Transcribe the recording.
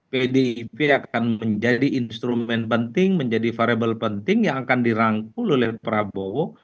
pdip akan menjadi instrumen penting menjadi variable penting yang akan dirangkul oleh prabowo